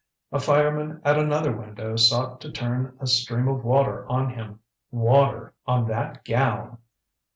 A fireman at another window sought to turn a stream of water on him. Water on that gown!